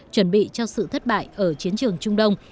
chuẩn bị cho sự thất bại ở chiến trường trung đông